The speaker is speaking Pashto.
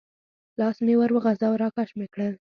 لاس مې ور وغځاوه، را کش مې کړل.